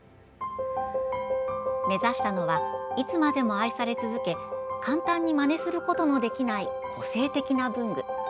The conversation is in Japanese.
目指したのはいつまでも愛され続け簡単にまねすることのできない個性的な文具。